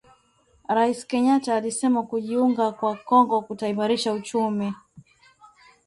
Rais Kenyatta alisema kujiunga kwa Kongo kutaimarisha uchumi